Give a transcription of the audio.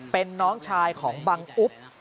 เป็นน้องชายของบังอุ๊บ